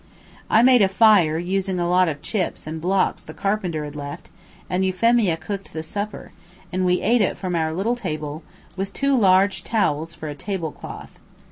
I made a fire, using a lot of chips and blocks the carpenter had left, and Euphemia cooked the supper, and we ate it from our little table, with two large towels for a table cloth.